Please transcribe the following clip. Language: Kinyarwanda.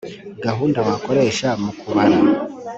gahunda wakoresha mu kubara